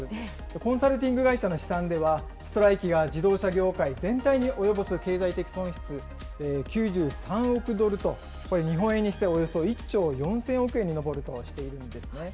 コンサルティング会社の試算では、ストライキが自動車業界全体に及ぼす経済的損失、９３億ドルと、これ、日本円にしておよそ１兆４０００億円に上るとしているんですね。